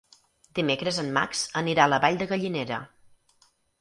Dimecres en Max anirà a la Vall de Gallinera.